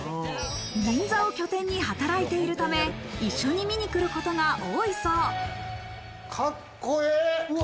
銀座を拠点に働いているため、一緒に見に来ることが多いそう。